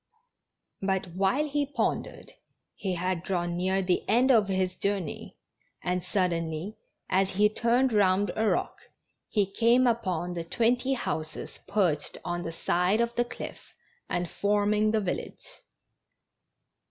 Bat, Avhile he pondered, he had drawn near the end of his journey, and suddenly as he turned round a rock he came upon the twenty houses perched on the side of the cliff and forming the village.